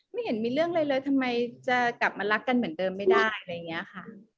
ไม่เห็นมีเรื่องอะไรเลยทำไมจะกลับมารักกันเหมือนเดิมไม่ได้อะไรอย่างนี้ค่ะ